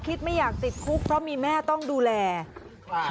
ไม่อยากติดคุกเพราะมีแม่ต้องดูแลค่ะ